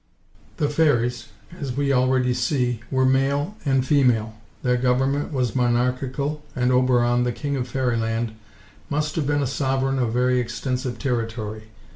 The fairies, as we already see, were male and female. Their government was monarchical, and Oberon, the King of Fairyland, must have been a sovereign of very extensive territory.